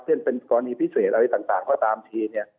เช่นเป็นกรณีพิเศษอะไรต่างก็ตามทีเนี่ย